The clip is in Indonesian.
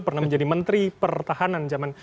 pernah menjadi menteri pertahanan zaman